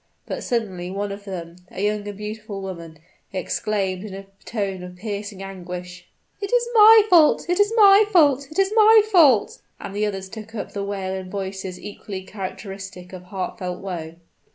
But, suddenly, one of them a young and beautiful woman exclaimed, in a tone of piercing anguish, "It is my fault! it is my fault! it is my fault!" and the others took up the wail in voices equally characteristic of heartfelt woe.